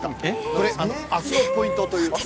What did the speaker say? これ、あすのポイントという。